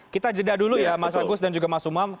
kita jeda dulu ya mas agus dan juga mas umam